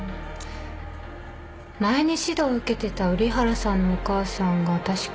前に指導受けてた瓜原さんのお母さんが確か。